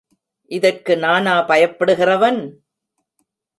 இதற்கு நானா பயப்படுகிறவன்?